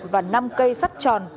và năm cây sắt tròn